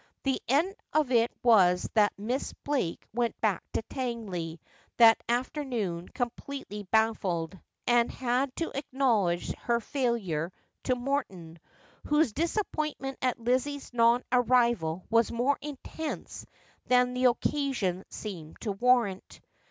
The end of it was that Miss Elake went back to Tangley that afternoon completely baffled, and had to acknowledge her failure to Morton, whose disappointment at Lizzie's non arrival was more intense than the occasion seemed to warrant.